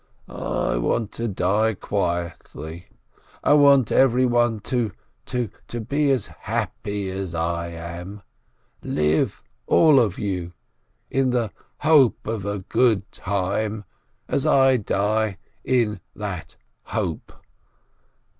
"I want to die quietly — I want every one to — to — be as happy — as I am ! Live, all of you, in the — hope of a — good time — as I die — in — that hope.